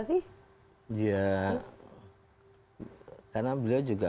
sih ya karena beliau juga